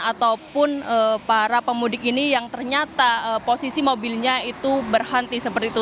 ataupun para pemudik ini yang ternyata posisi mobilnya itu berhenti seperti itu